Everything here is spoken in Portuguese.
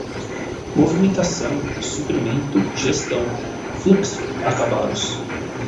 movimentação, suprimento, gestão, fluxo, acabados